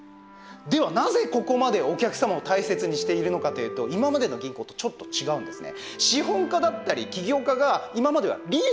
ではなぜここまでお客様を大切にしているのかというと今までの銀行とちょっと違うんですね。